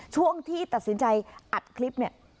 ช่วงที่ตัดสินใจอัดคลิปเนี่ย